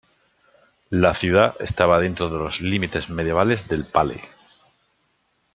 La ciudad estaba dentro de los límites medievales del "pale".